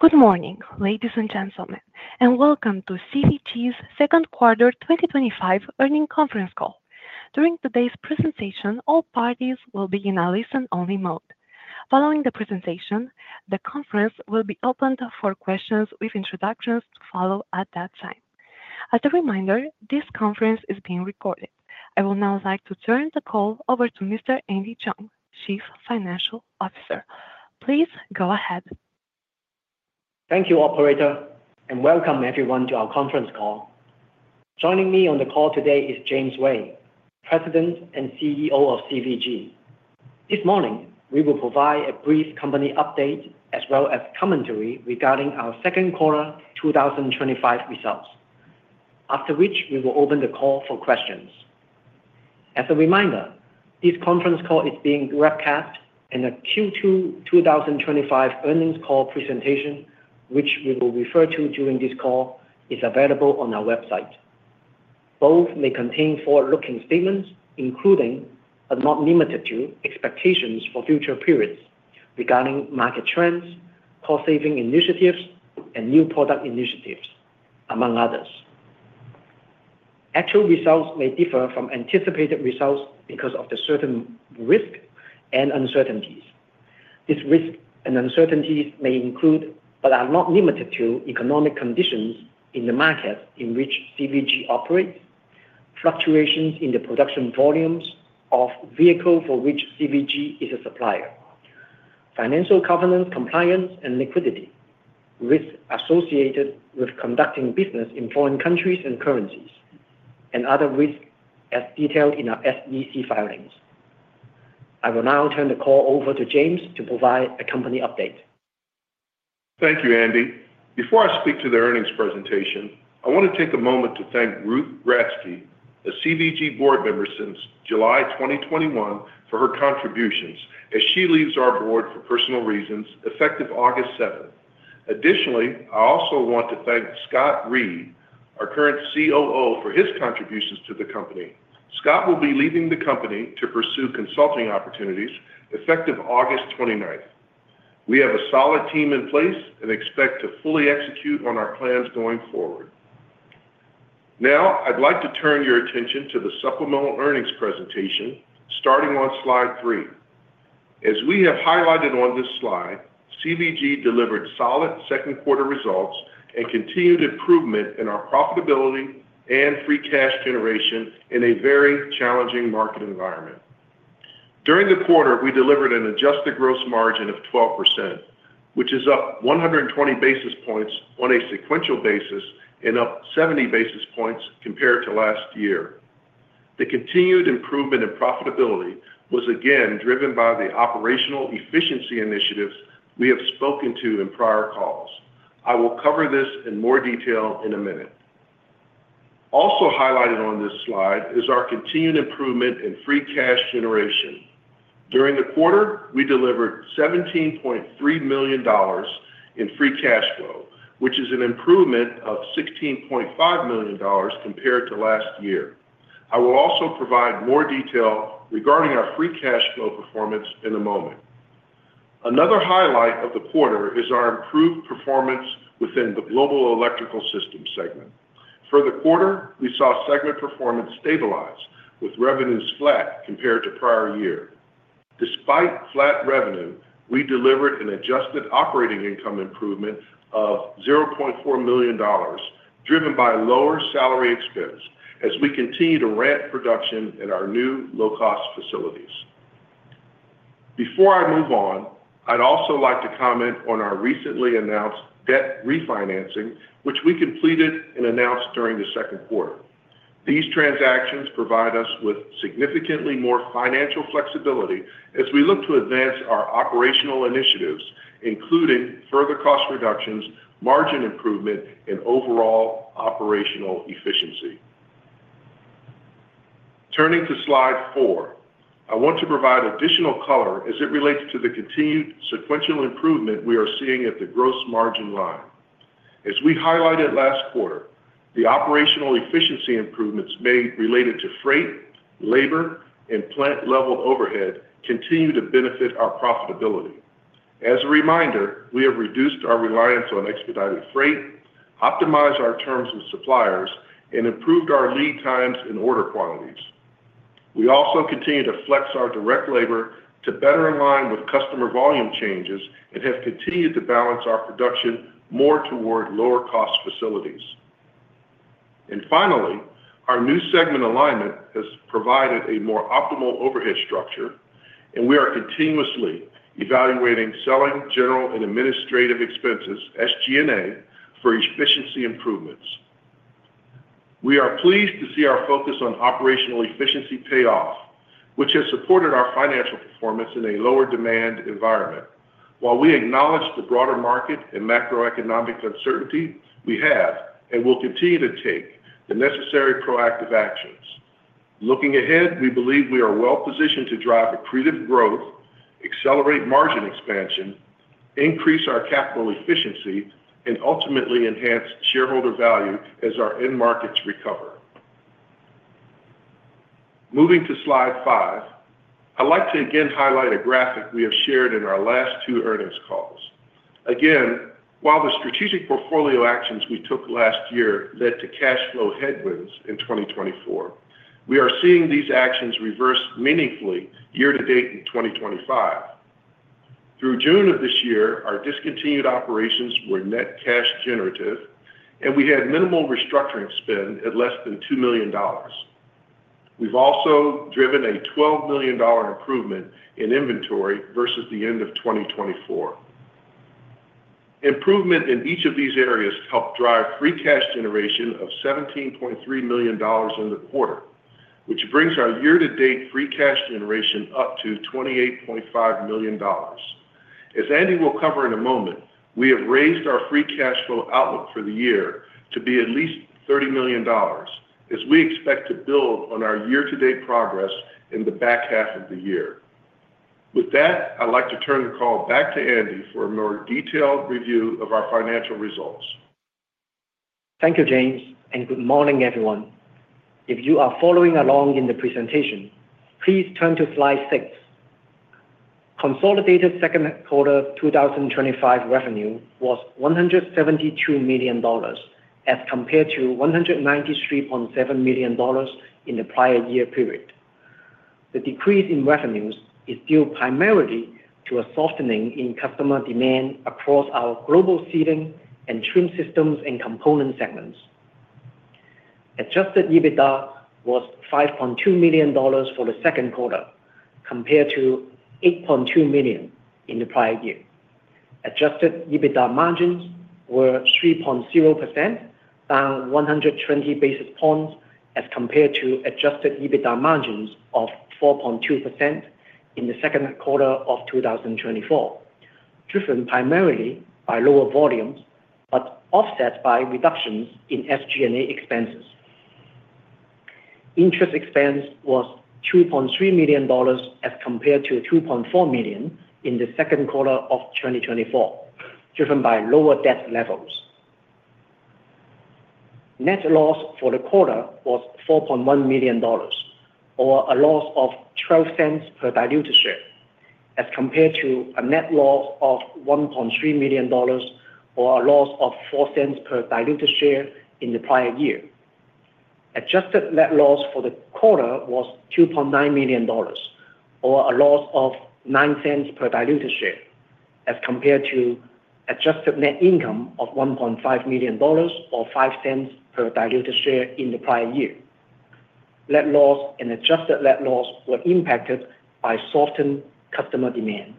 Good morning, ladies and gentlemen, and welcome to CVG Second Quarter 2025 Earnings Conference Call. During today's presentation, all parties will be in a listen-only mode. Following the presentation, the conference will be opened for questions with introductions to follow at that time. As a reminder, this conference is being recorded. I will now like to turn the call over to Mr. Andy Cheung, Chief Financial Officer. Please go ahead. Thank you, operator, and welcome everyone to our conference call. Joining me on the call today is James Ray, President and CEO of CVG. This morning, we will provide a brief company update as well as commentary regarding our second quarter 2025 results, after which we will open the call for questions. As a reminder, this conference call is being broadcast, and a Q2 2025 earnings call presentation, which we will refer to during this call, is available on our website. Both may contain forward-looking statements, including but not limited to expectations for future periods regarding market trends, cost-saving initiatives, and new product initiatives, among others. Actual results may differ from anticipated results because of certain risks and uncertainties. These risks and uncertainties may include, but are not limited to, economic conditions in the markets in which CVG operates, fluctuations in the production volumes of vehicles for which CVG is a supplier, financial governance compliance and liquidity, risks associated with conducting business in foreign countries and currencies, and other risks as detailed in our SEC filings. I will now turn the call over to James to provide a company update. Thank you, Andy. Before I speak to the earnings presentation, I want to take a moment to thank Ruth Gratzke, a CVG Board member since July 2021, for her contributions, as she leaves our board for personal reasons effective August 7. Additionally, I also want to thank Scott Reed, our current COO, for his contributions to the company. Scott will be leaving the company to pursue consulting opportunities effective August 29. We have a solid team in place and expect to fully execute on our plans going forward. Now, I'd like to turn your attention to the supplemental earnings presentation, starting on slide three. As we have highlighted on this slide, CVG delivered solid second quarter results and continued improvement in our profitability and free cash generation in a very challenging market environment. During the quarter, we delivered an adjusted gross margin of 12%, which is up 120 basis points on a sequential basis and up 70 basis points compared to last year. The continued improvement in profitability was again driven by the operational efficiency initiatives we have spoken to in prior calls. I will cover this in more detail in a minute. Also highlighted on this slide is our continued improvement in free cash generation. During the quarter, we delivered $17.3 million in free cash flow, which is an improvement of $16.5 million compared to last year. I will also provide more detail regarding our free cash flow performance in a moment. Another highlight of the quarter is our improved performance within the Global Electrical Systems segment. For the quarter, we saw segment performance stabilize with revenues flat compared to prior year. Despite flat revenue, we delivered an adjusted operating income improvement of $0.4 million, driven by lower salary expense as we continue to ramp production at our new low-cost facilities. Before I move on, I'd also like to comment on our recently announced debt refinancing, which we completed and announced during the second quarter. These transactions provide us with significantly more financial flexibility as we look to advance our operational initiatives, including further cost reductions, margin improvement, and overall operational efficiency. Turning to slide four, I want to provide additional color as it relates to the continued sequential improvement we are seeing at the gross margin line. As we highlighted last quarter, the operational efficiency improvements made related to freight, labor, and plant-level overhead continue to benefit our profitability. As a reminder, we have reduced our reliance on expedited freight, optimized our terms with suppliers, and improved our lead times and order quantities. We also continue to flex our direct labor to better align with customer volume changes and have continued to balance our production more toward lower-cost facilities. Finally, our new segment alignment has provided a more optimal overhead structure, and we are continuously evaluating selling, general, and administrative expenses, SG&A, for efficiency improvements. We are pleased to see our focus on operational efficiency pay off, which has supported our financial performance in a lower demand environment. While we acknowledge the broader market and macroeconomic uncertainty, we have and will continue to take the necessary proactive actions. Looking ahead, we believe we are well-positioned to drive accretive growth, accelerate margin expansion, increase our capital efficiency, and ultimately enhance shareholder value as our end markets recover. Moving to slide five, I'd like to again highlight a graphic we have shared in our last two earnings calls. While the strategic portfolio actions we took last year led to cash flow headwinds in 2024, we are seeing these actions reverse meaningfully year to date in 2025. Through June of this year, our discontinued operations were net cash generative, and we had minimal restructuring spend at less than $2 million. We've also driven a $12 million improvement in inventory versus the end of 2024. Improvement in each of these areas helped drive free cash generation of $17.3 million in the quarter, which brings our year-to-date free cash generation up to $28.5 million. As Andy will cover in a moment, we have raised our free cash flow out for the year to be at least $30 million, as we expect to build on our year-to-date progress in the back half of the year. With that, I'd like to turn the call back to Andy for a more detailed review of our financial results. Thank you, James, and good morning, everyone. If you are following along in the presentation, please turn to slide six. Consolidated second quarter 2025 revenue was $172 million as compared to $193.7 million in the prior year period. The decrease in revenues is due primarily to a softening in customer demand across our Global Seating and Trim Systems and Component segments. Adjusted EBITDA was $5.2 million for the second quarter compared to $8.2 million in the prior year. Adjusted EBITDA margins were 3.0%, down 120 basis points as compared to adjusted EBITDA margins of 4.2% in the second quarter of 2024, driven primarily by lower volumes but offset by reductions in SG&A expenses. Interest expense was $2.3 million as compared to $2.4 million in the second quarter of 2024, driven by lower debt levels. Net loss for the quarter was $4.1 million, or a loss of $0.12 per diluted share, as compared to a net loss of $1.3 million, or a loss of $0.04 per diluted share in the prior year. Adjusted net loss for the quarter was $2.9 million, or a loss of $0.09 per diluted share, as compared to adjusted net income of $1.5 million, or $0.05 per diluted share in the prior year. Net loss and adjusted net loss were impacted by softened customer demand.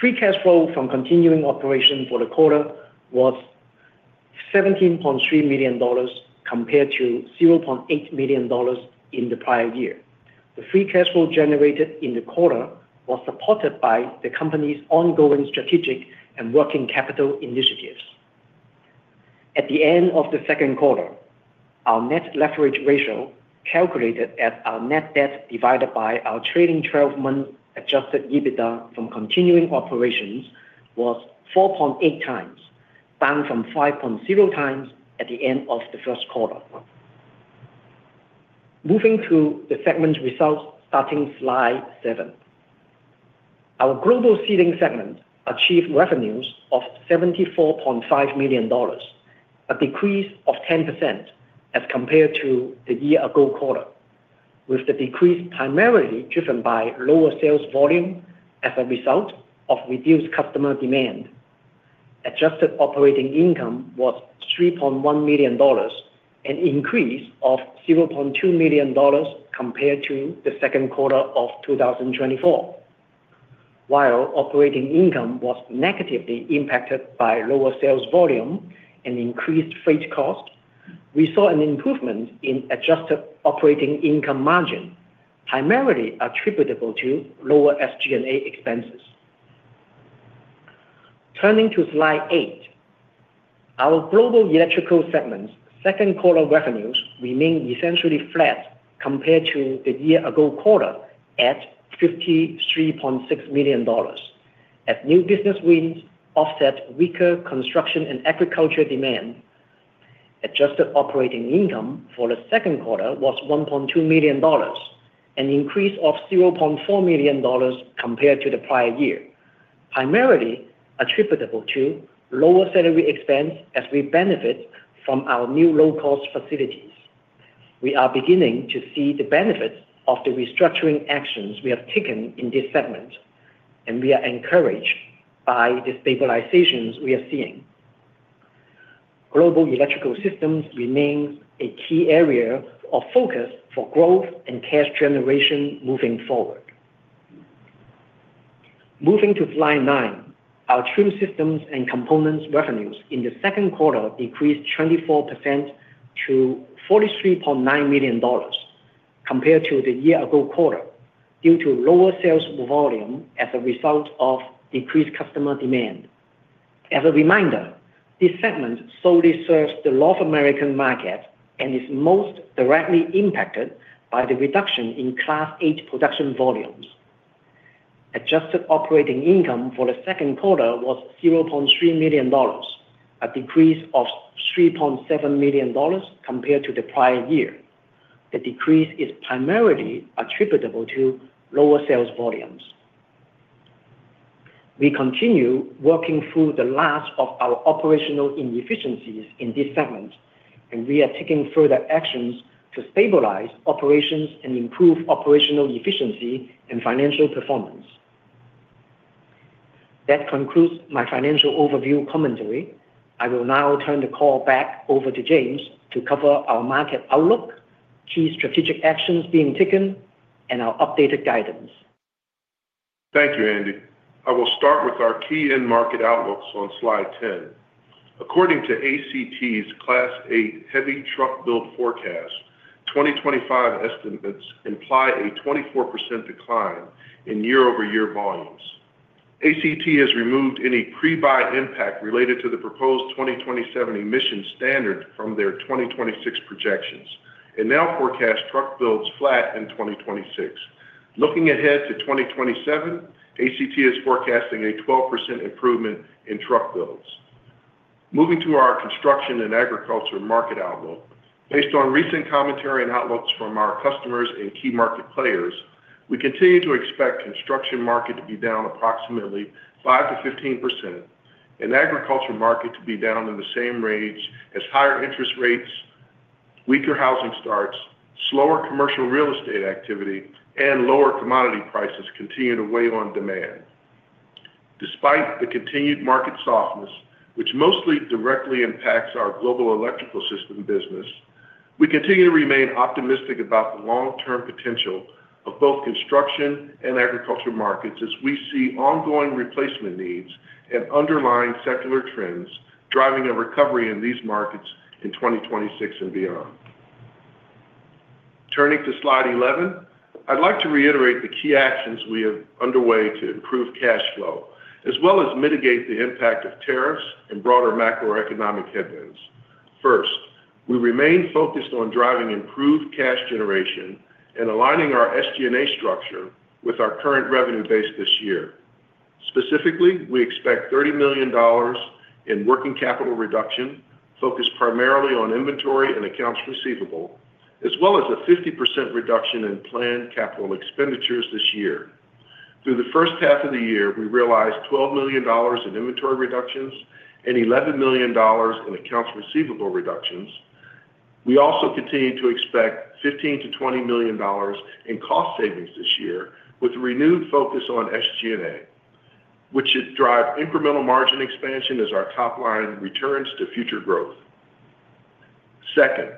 Free cash flow from continuing operation for the quarter was $17.3 million compared to $0.8 million in the prior year. The free cash flow generated in the quarter was supported by the company's ongoing strategic and working capital initiatives. At the end of the second quarter, our net leverage ratio, calculated as our net debt divided by our trailing 12-month adjusted EBITDA from continuing operations, was 4.8x, down from 5.0x at the end of the first quarter. Moving to the segment results, starting slide seven, our global sealing segment achieved revenues of $74.5 million, a decrease of 10% as compared to the year ago quarter, with the decrease primarily driven by lower sales volume as a result of reduced customer demand. Adjusted operating income was $3.1 million, an increase of $0.2 million compared to the second quarter of 2024. While operating income was negatively impacted by lower sales volume and increased freight cost, we saw an improvement in adjusted operating income margin, primarily attributable to lower SG&A expenses. Turning to slide eight, our global electrical segment's second quarter revenues remain essentially flat compared to the year ago quarter at $53.6 million. As new business wins offset weaker construction and agriculture demand, adjusted operating income for the second quarter was $1.2 million, an increase of $0.4 million compared to the prior year, primarily attributable to lower salary expense as we benefit from our new low-cost facilities. We are beginning to see the benefits of the restructuring actions we have taken in this segment, and we are encouraged by the stabilizations we are seeing. Global Electrical Systems remain a key area of focus for growth and cash generation moving forward. Moving to slide nine, our Trim Systems and Components revenues in the second quarter increased 24% to $43.9 million compared to the year ago quarter due to lower sales volume as a result of decreased customer demand. As a reminder, this segment solely serves the North American market and is most directly impacted by the reduction in Class 8 production volumes. Adjusted operating income for the second quarter was $0.3 million, a decrease of $3.7 million compared to the prior year. The decrease is primarily attributable to lower sales volumes. We continue working through the last of our operational inefficiencies in this segment, and we are taking further actions to stabilize operations and improve operational efficiency and financial performance. That concludes my financial overview commentary. I will now turn the call back over to James to cover our market outlook, key strategic actions being taken, and our updated guidance. Thank you, Andy. I will start with our key end market outlooks on slide 10. According to ACT Class 8 heavy truck build forecast, 2025 estimates imply a 24% decline in year-over-year volumes. ACT has removed any pre-buy impact related to the proposed 2027 emission standard from their 2026 projections and now forecasts truck builds flat in 2026. Looking ahead to 2027, ACT is forecasting a 12% improvement in truck builds. Moving to our construction and agriculture market outlook, based on recent commentary and outlooks from our customers and key market players, we continue to expect the construction market to be down approximately 5%-15%, and the agriculture market to be down in the same range as higher interest rates, weaker housing starts, slower commercial real estate activity, and lower commodity prices continue to weigh on demand. Despite the continued market softness, which mostly directly impacts our Global Electrical Systems business, we continue to remain optimistic about the long-term potential of both construction and agriculture markets as we see ongoing replacement needs and underlying secular trends driving a recovery in these markets in 2026 and beyond. Turning to slide 11, I'd like to reiterate the key actions we have underway to improve cash flow, as well as mitigate the impact of tariffs and broader macroeconomic headwinds. First, we remain focused on driving improved cash generation and aligning our SG&A expenses structure with our current revenue base this year. Specifically, we expect $30 million in working capital reduction, focused primarily on inventory and accounts receivable, as well as a 50% reduction in planned capital expenditures this year. Through the first half of the year, we realized $12 million in inventory reductions and $11 million in accounts receivable reductions. We also continue to expect $15 million-$20 million in cost savings this year, with a renewed focus on SG&A expenses, which should drive incremental margin expansion as our top line returns to future growth. Second,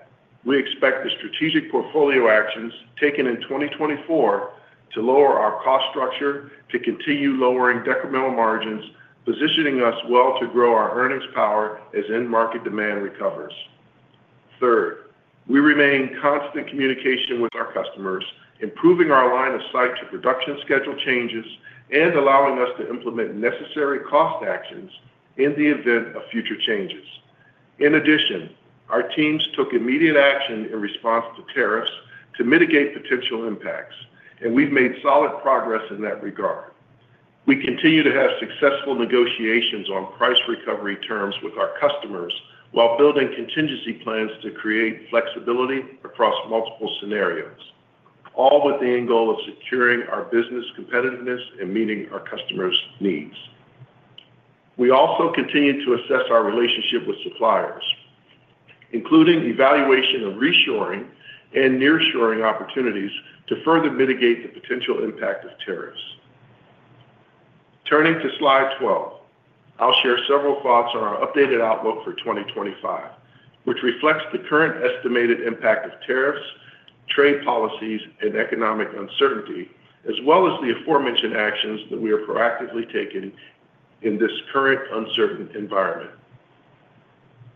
we expect the strategic portfolio actions taken in 2024 to lower our cost structure to continue lowering decremental margins, positioning us well to grow our earnings power as end market demand recovers. Third, we remain in constant communication with our customers, improving our line of sight to production schedule changes and allowing us to implement necessary cost actions in the event of future changes. In addition, our teams took immediate action in response to tariffs to mitigate potential impacts, and we've made solid progress in that regard. We continue to have successful negotiations on price recovery terms with our customers while building contingency plans to create flexibility across multiple scenarios, all with the end goal of securing our business competitiveness and meeting our customers' needs. We also continue to assess our relationship with suppliers, including evaluation of reshoring and nearshoring opportunities to further mitigate the potential impact of tariffs. Turning to slide 12, I'll share several quotes on our updated outlook for 2025, which reflects the current estimated impact of tariffs, trade policies, and economic uncertainty, as well as the aforementioned actions that we are proactively taking in this current uncertain environment.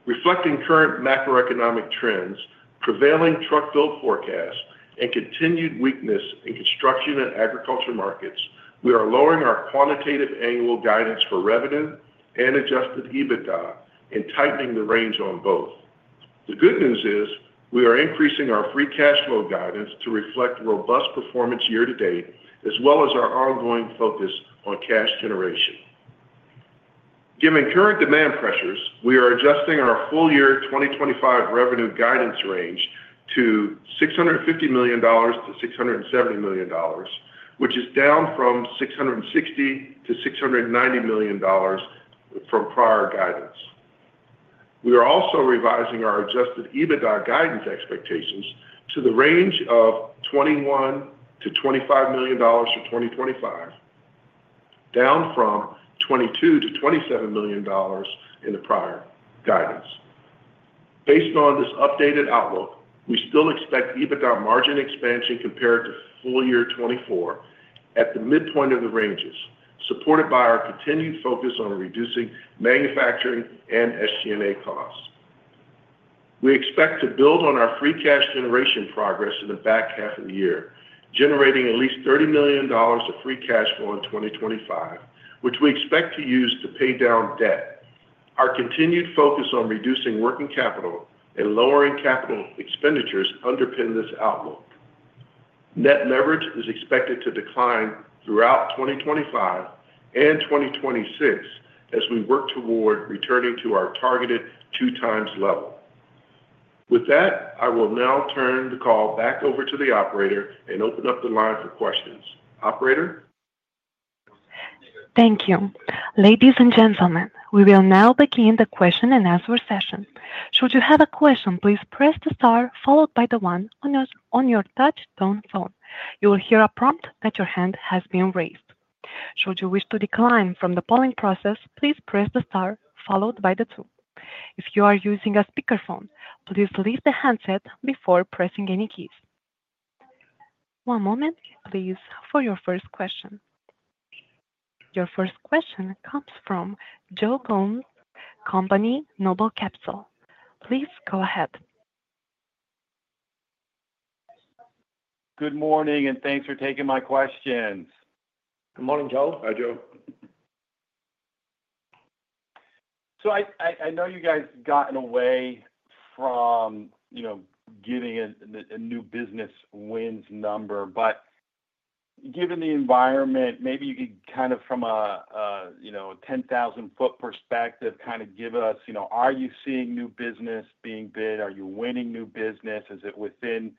Reflecting current macroeconomic trends, prevailing truck build forecasts, and continued weakness in construction and agriculture markets, we are lowering our quantitative annual guidance for revenue and adjusted EBITDA and tightening the range on both. The good news is we are increasing our free cash flow guidance to reflect robust performance year to date, as well as our ongoing focus on cash generation. Given current demand pressures, we are adjusting our whole year 2025 revenue guidance range to $650 million-$670 million, which is down from $660 million-$690 million from prior guidance. We are also revising our adjusted EBITDA guidance expectations to the range of $21 million-$25 million for 2025, down from $22 million-$27 million in the prior guidance. Based on this updated outlook, we still expect EBITDA margin expansion compared to full year 2024 at the midpoint of the ranges, supported by our continued focus on reducing manufacturing and SG&A costs. We expect to build on our free cash generation progress in the back half of the year, generating at least $30 million of free cash flow in 2025, which we expect to use to pay down debt. Our continued focus on reducing working capital and lowering capital expenditures underpins this outlook. Net leverage is expected to decline throughout 2025 and 2026 as we work toward returning to our targeted two-times level. With that, I will now turn the call back over to the operator and open up the line for questions. Operator? Thank you. Ladies and gentlemen, we will now begin the question and answer session. Should you have a question, please press the star followed by the one on your touch-tone phone. You will hear a prompt that your hand has been raised. Should you wish to decline from the polling process, please press the star followed by the two. If you are using a speakerphone, please leave the handset before pressing any keys. One moment, please, for your first question. Your first question comes from Joe Gomes, Noble Capital. Please go ahead. Good morning, and thanks for taking my questions. Good morning, Joe. Hi, Joe? I know you guys got away from getting a new business wins number, but given the environment, maybe you could, from a 10,000-foot perspective, give us, are you seeing new business being bid? Are you winning new business? Is it within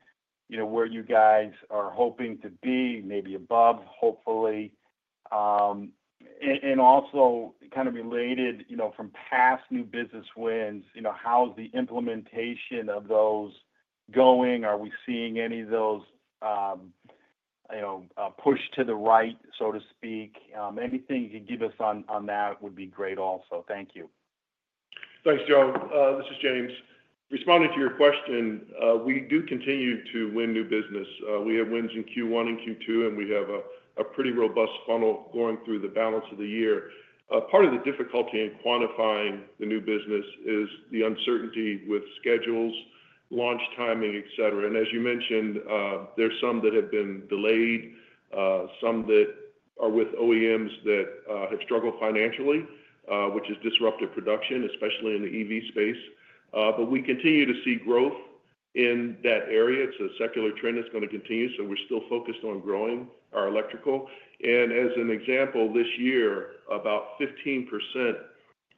where you guys are hoping to be, maybe above, hopefully? Also, kind of related, from past new business wins, how's the implementation of those going? Are we seeing any of those push to the right, so to speak? Anything you could give us on that would be great also. Thank you. Thanks, Joe. This is James. Responding to your question, we do continue to win new business. We have wins in Q1 and Q2, and we have a pretty robust funnel going through the balance of the year. Part of the difficulty in quantifying the new business is the uncertainty with schedules, launch timing, etc. As you mentioned, there's some that have been delayed, some that are with OEMs that have struggled financially, which has disrupted production, especially in the EV space. We continue to see growth in that area. It's a secular trend that's going to continue, so we're still focused on growing our electrical. As an example, this year, about 15%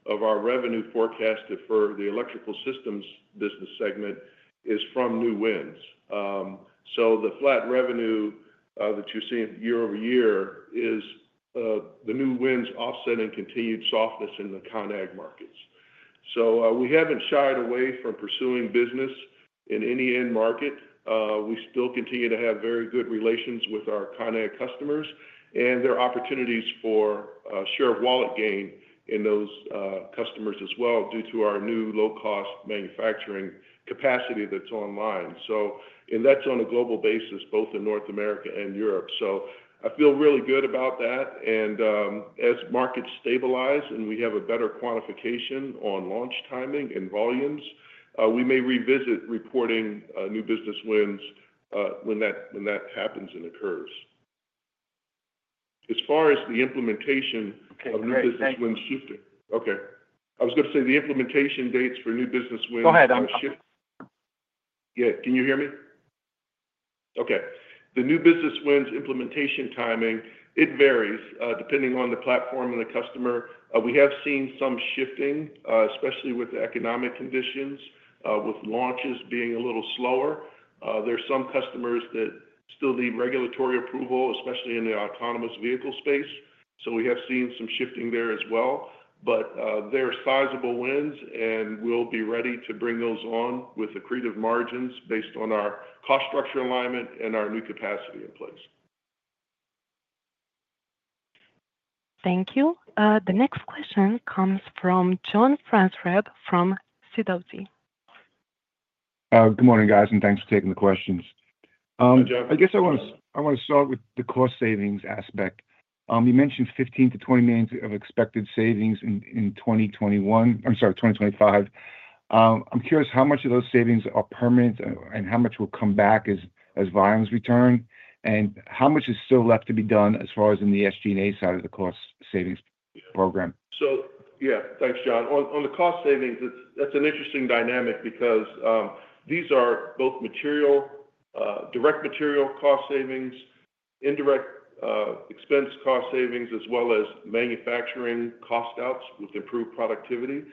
of our revenue forecasted for the electrical systems business segment is from new wins. The flat revenue that you're seeing year over year is the new wins offset and continued softness in the ConAg markets. We haven't shied away from pursuing business in any end market. We still continue to have very good relations with our ConAg customers and there are opportunities for share of wallet gain in those customers as well due to our new low-cost manufacturing capacity that's online. That's on a global basis, both in North America and Europe. I feel really good about that. As markets stabilize and we have a better quantification on launch timing and volumes, we may revisit reporting new business wins when that happens and occurs. As far as the implementation of new business wins shifting. Okay, I was going to say the implementation dates for new business wins. Yeah. Can you hear me? Okay. The new business wins implementation timing varies depending on the platform and the customer. We have seen some shifting, especially with the economic conditions, with launches being a little slower. There are some customers that still need regulatory approval, especially in the autonomous vehicles space. We have seen some shifting there as well. They are sizable wins, and we will be ready to bring those on with accretive margins based on our cost structure alignment and our new capacity in place. Thank you. The next question comes from John Franzreb from CWT. Good morning, guys, and thanks for taking the questions. I guess I want to start with the cost savings aspect. You mentioned $15 million-$20 million of expected savings in 2025. I'm curious how much of those savings are permanent and how much will come back as volumes return, and how much is still left to be done as far as in the SG&A side of the cost savings program? Thank you, John. On the cost savings, that's an interesting dynamic because these are both direct material cost savings, indirect expense cost savings, as well as manufacturing cost outs with improved productivity.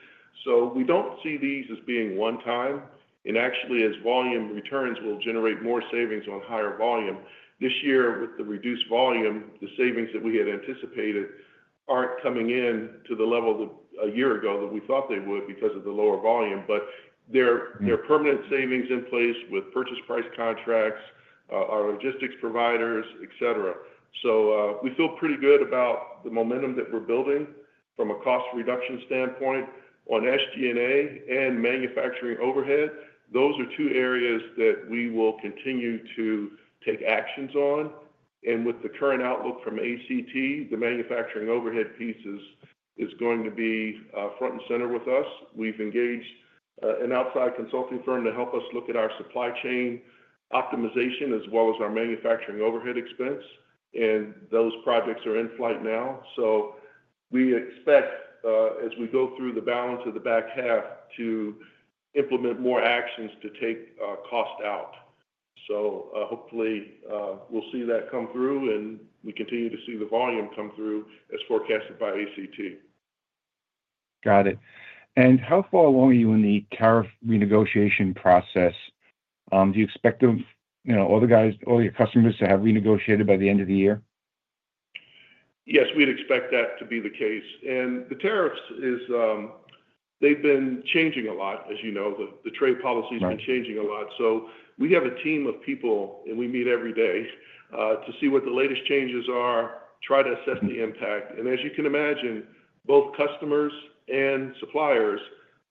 We don't see these as being one-time, and actually as volume returns, we'll generate more savings on higher volume. This year, with the reduced volume, the savings that we had anticipated aren't coming in to the level a year ago that we thought they would because of the lower volume, but there are permanent savings in place with purchase price contracts, our logistics providers, etc. We feel pretty good about the momentum that we're building from a cost reduction standpoint on SG&A and manufacturing overhead. Those are two areas that we will continue to take actions on. With the current outlook from ACT, the manufacturing overhead piece is going to be front and center with us. We've engaged an outside consulting firm to help us look at our supply chain optimization as well as our manufacturing overhead expense, and those projects are in flight now. We expect, as we go through the balance of the back half, to implement more actions to take cost out. Hopefully, we'll see that come through and we continue to see the volume come through as forecasted by ACT. Got it. How far along are you in the tariff renegotiation process? Do you expect the other guys, all your customers, to have renegotiated by the end of the year? Yes, we'd expect that to be the case. The tariffs, they've been changing a lot, as you know. The trade policy has been changing a lot. We have a team of people, and we meet every day to see what the latest changes are, try to assess the impact. As you can imagine, both customers and suppliers,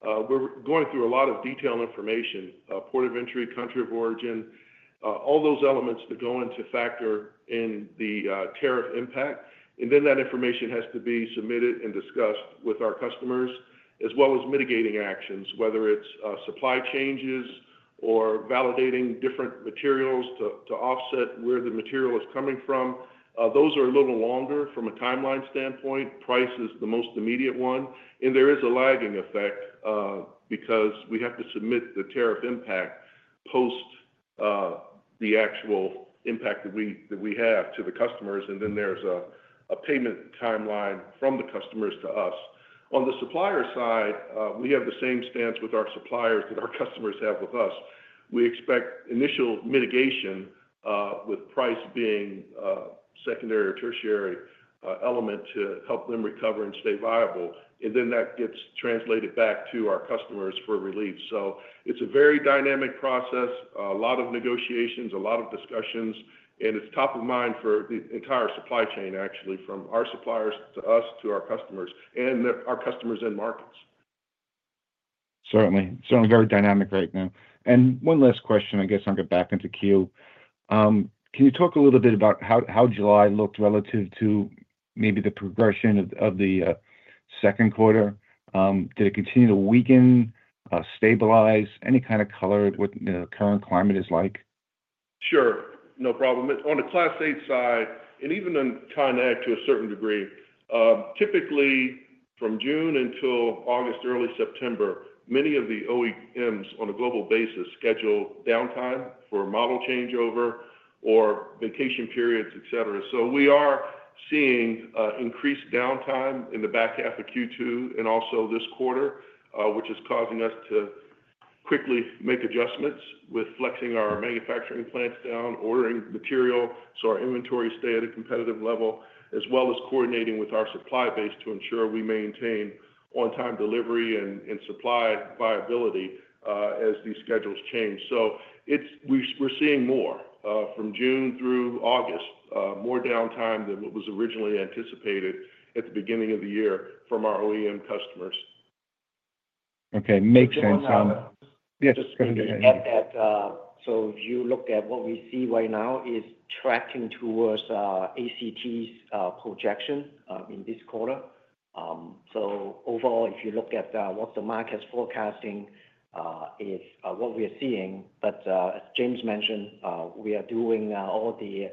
we're going through a lot of detailed information: port of entry, country of origin, all those elements that factor in the tariff impact. That information has to be submitted and discussed with our customers, as well as mitigating actions, whether it's supply changes or validating different materials to offset where the material is coming from. Those are a little longer from a timeline standpoint. Price is the most immediate one. There is a lagging effect because we have to submit the tariff impact post the actual impact that we have to the customers. There is a payment timeline from the customers to us. On the supplier side, we have the same stance with our suppliers that our customers have with us. We expect initial mitigation, with price being a secondary or tertiary element to help them recover and stay viable. That gets translated back to our customers for relief. It is a very dynamic process, a lot of negotiations, a lot of discussions, and it's top of mind for the entire supply chain, actually, from our suppliers to us to our customers and our customers and markets. Certainly. Very dynamic right now. One last question, I guess I'll get back into Q. Can you talk a little bit about how July looked relative to maybe the progression of the second quarter? Did it continue to weaken, stabilize, any kind of color with the current climate is like? Sure. No problem. On the Class 8 side, and even in ConAg to a certain degree, typically from June until August, early September, many of the OEMs on a global basis schedule downtime for model changeover or vacation periods, etc. We are seeing increased downtime in the back half of Q2 and also this quarter, which is causing us to quickly make adjustments with flexing our manufacturing plants down, ordering material so our inventory stays at a competitive level, as well as coordinating with our supply base to ensure we maintain on-time delivery and supply viability as these schedules change. We're seeing more from June through August, more downtime than what was originally anticipated at the beginning of the year from our OEM customers. Okay, makes sense. If you look at what we see right now, it's tracking towards ACT projection in this quarter. Overall, if you look at what the market's forecasting, it's what we are seeing, but as James mentioned, we are doing all the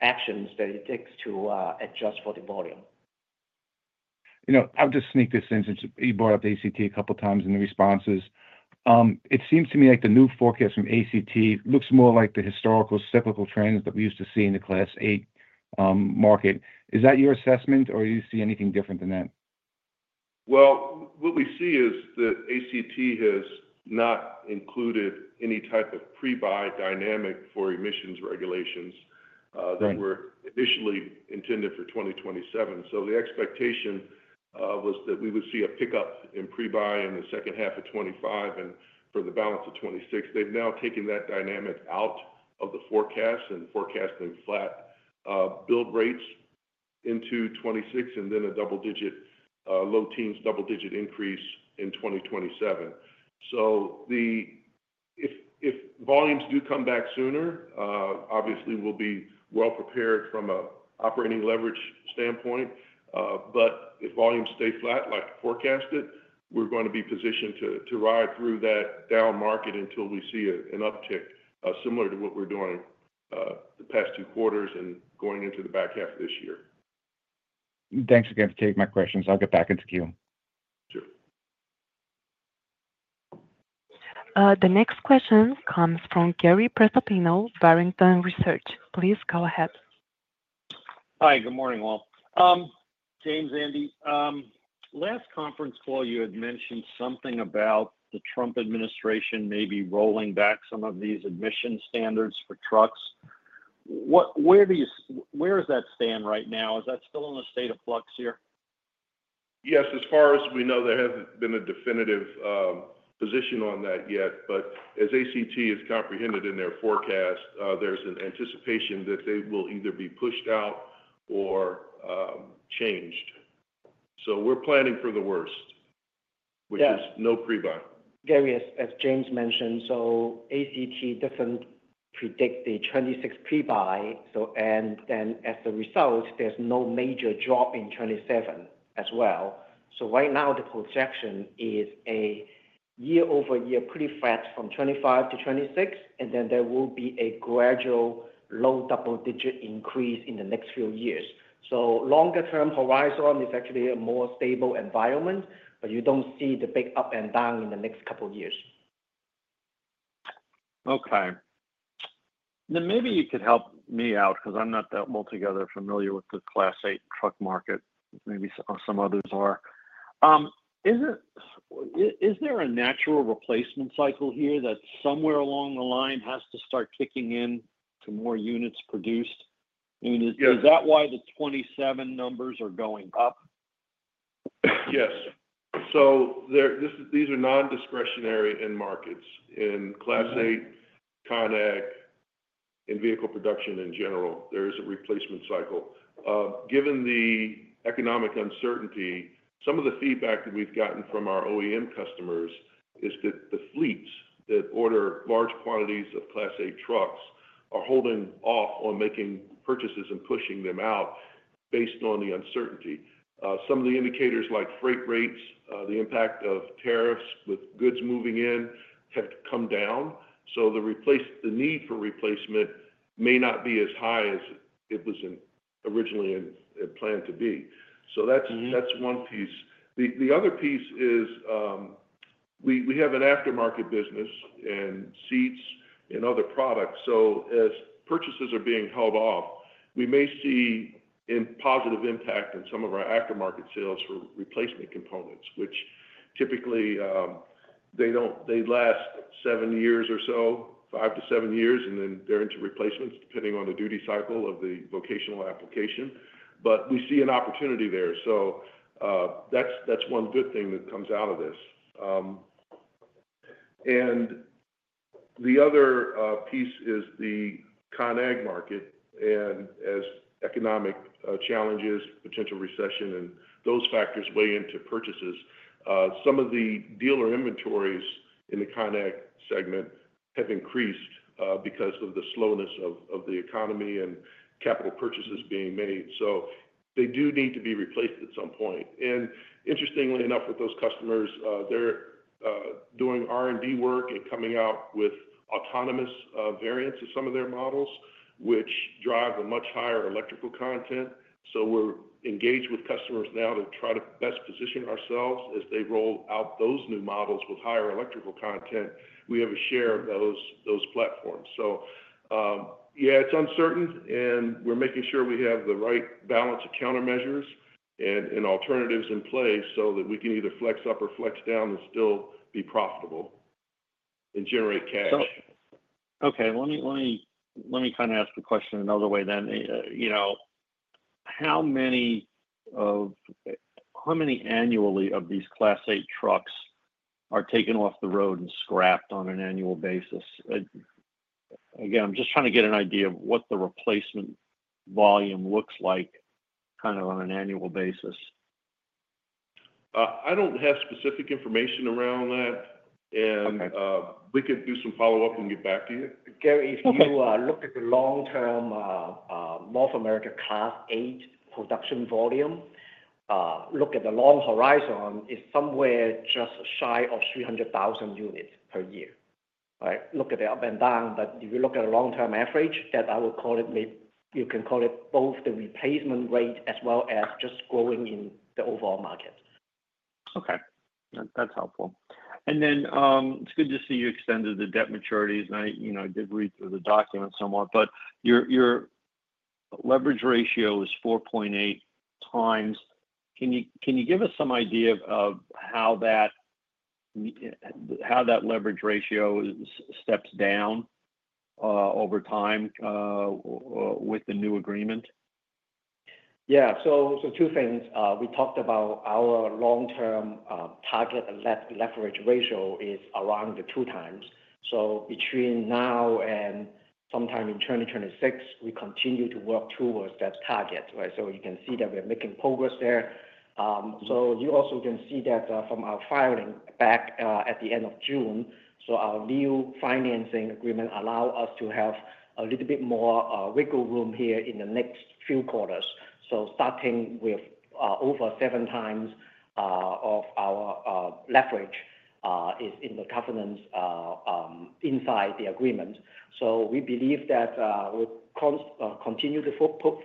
actions that it takes to adjust for the volume. I'll just sneak this in since you brought up ACT a couple of times in the responses. It seems to me like the new forecast from ACT looks more like the historical cyclical trends that we used to see in the Class 8 market. Is that your assessment, or do you see anything different than that? ACT has not included any type of pre-buy dynamic for emissions regulations that were initially intended for 2027. The expectation was that we would see a pickup in pre-buy in the second half of 2025, and for the balance of 2026, they've now taken that dynamic out of the forecast and are forecasting flat build rates into 2026, and then a low-teens, double-digit increase in 2027. If volumes do come back sooner, obviously, we'll be well prepared from an operating leverage standpoint. If volumes stay flat like forecasted, we're going to be positioned to ride through that down market until we see an uptick similar to what we're doing the past two quarters and going into the back half of this year. The next question comes from Gary Prestopino of Barrington Research. Please go ahead. Hi. Good morning all. James, Andy. Last conference call, you had mentioned something about the Trump administration maybe rolling back some of these emissions standards for trucks. Where does that stand right now? Is that still in a state of flux here? Yes. As far as we know, there hasn't been a definitive position on that yet. As ACT has comprehended in their forecast, there's an anticipation that they will either be pushed out or changed. We are planning for the worst, which is no pre-buy. Gary, as James mentioned, ACT doesn't predict the 2026 pre-buy, and as a result, there's no major drop in 2027 as well. Right now, the projection is a year-over-year pre-flex from 2025-2026, and then there will be a gradual low double-digit increase in the next few years. The longer-term horizon is actually a more stable environment, but you don't see the big up and down in the next couple of years. Okay. Now, maybe you could help me out because I'm not that altogether familiar with the Class 8 truck market. Maybe some others are. Is there a natural replacement cycle here that somewhere along the line has to start kicking in to more units produced? I mean, is that why the 2027 numbers are going up? Yes. These are non-discretionary end markets in Class 8, CA, and vehicle production in general. There is a replacement cycle. Given the economic uncertainty, some of the feedback that we've gotten from our OEM customers is that the fleets that order large quantities of Class 8 trucks are holding off on making purchases and pushing them out based on the uncertainty. Some of the indicators like freight rates, the impact of tariffs with goods moving in have come down. The need for replacement may not be as high as it was originally planned to be. That's one piece. The other piece is we have an aftermarket business in seats and other products. As purchases are being held off, we may see a positive impact in some of our aftermarket sales for replacement components, which typically don't last seven years or so, five to seven years, and then they're into replacements depending on the duty cycle of the vocational application. We see an opportunity there. That's one good thing that comes out of this. The other piece is the ConAg market. As economic challenges, potential recession, and those factors weigh into purchases, some of the dealer inventories in the ConAg segment have increased because of the slowness of the economy and capital purchases being made. They do need to be replaced at some point. Interestingly enough, with those customers, they're doing R&D work and coming out with autonomous variants of some of their models, which drive a much higher electrical content. We're engaged with customers now to try to best position ourselves as they roll out those new models with higher electrical content. We have a share of those platforms. It's uncertain, and we're making sure we have the right balance of countermeasures and alternatives in place so that we can either flex up or flex down and still be profitable and generate cash. Okay. Let me ask the question another way. You know, how many annually of these Class 8 trucks are taken off the road and scrapped on an annual basis? Again, I'm just trying to get an idea of what the replacement volume looks like on an annual basis. I don't have specific information around that. We could do some follow-up and get back to you. Gary, if you look at the long-term North America Class 8 production volume, look at the long horizon, it's somewhere just shy of 300,000 units per year. Right? Look at the up and down. If you look at a long-term average, that I would call it maybe you can call it both the replacement rate as well as just growing in the overall market. Okay. That's helpful. It's good to see you extended the debt maturities. I did read through the document somewhat, but your leverage ratio is 4.8 times. Can you give us some idea of how that leverage ratio steps down over time with the new agreement? Yeah. Two things. We talked about our long-term target and left leverage ratio is around the 2x. Between now and sometime in 2026, we continue to work towards that target, right? You can see that we're making progress there. You also can see that from our filing back at the end of June. Our new financing agreement allows us to have a little bit more wiggle room here in the next few quarters. Starting with over 7x of our leverage is in the governance inside the agreement. We believe that we'll continue to put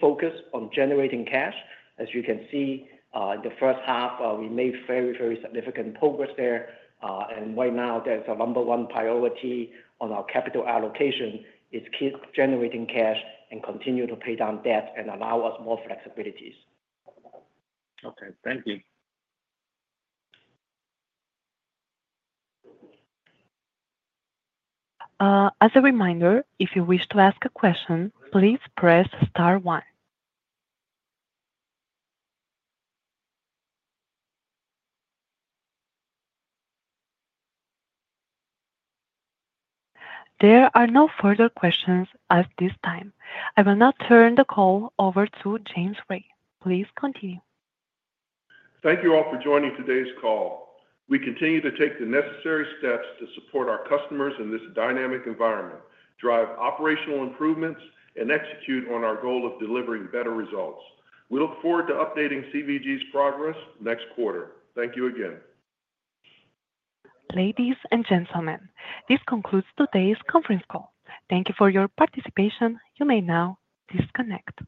focus on generating cash. As you can see, in the first half, we made very, very significant progress there. Right now, that's our number one priority on our capital allocation is keep generating cash and continue to pay down debt and allow us more flexibilities. Okay, thank you. As a reminder, if you wish to ask a question, please press star one. There are no further questions at this time. I will now turn the call over to James Ray. Please continue. Thank you all for joining today's call. We continue to take the necessary steps to support our customers in this dynamic environment, drive operational improvements, and execute on our goal of delivering better results. We look forward to updating CVG's progress next quarter. Thank you again. Ladies and gentlemen, this concludes today's conference call. Thank you for your participation. You may now disconnect.